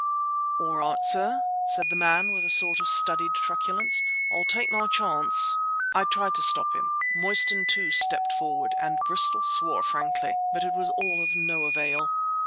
"All right, sir," said the man, with a sort of studied truculence, "I'll take my chance." I tried to stop him; Mostyn, too, stepped forward, and Bristol swore frankly. But it was all of no avail.